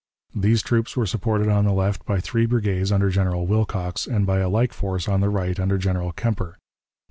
These troops were supported on the left by three brigades under General Wilcox, and by a like force on the right under General Kemper.